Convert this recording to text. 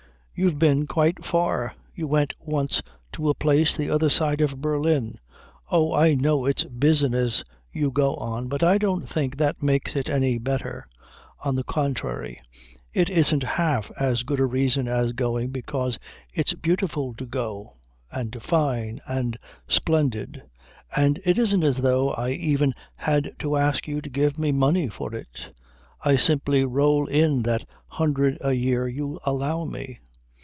You've been quite far. You went once to a place the other side of Berlin. Oh, I know it's business you go on, but I don't think that makes it any better on the contrary, it isn't half as good a reason as going because it's beautiful to go, and fine and splendid. And it isn't as though I even had to ask you to give me money for it. I simply roll in that hundred a year you allow me.